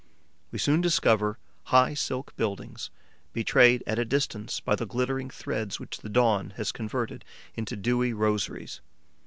We soon discover high silk buildings, betrayed at a distance by the glittering threads which the dawn has converted into dewy rosaries.